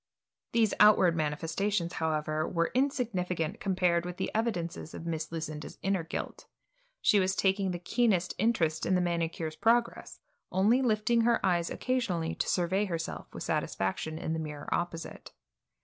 These outward manifestations, however, were insignificant compared with the evidences of Miss Lucinda's inner guilt. She was taking the keenest interest in the manicure's progress, only lifting her eyes occasionally to survey herself with satisfaction in the mirror opposite.